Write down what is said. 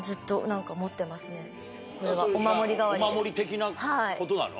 お守り的なことなの？